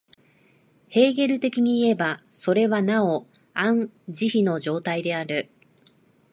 ヘーゲル的にいえば、それはなおアン・ジヒの状態である。